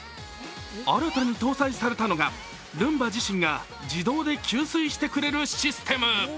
新たに搭載されたのがルンバ自身が自動で給水してくれるシステム。